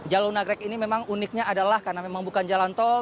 jalur nagrek ini memang uniknya adalah karena memang bukan jalan tol